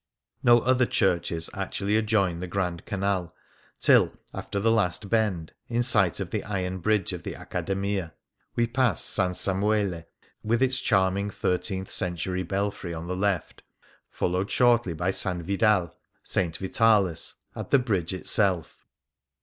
No other churches actually adjoin the Grand Canal till, after the last bend, in sight of the iron bridge of the Accademia, we pass S. Samuele, with its charming thirteenth century belfry, on the left, followed shortly by S. Vidal (St. Vitalis) at the bridge itself.